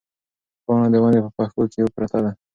پاڼه د ونې په پښو کې پرته ده.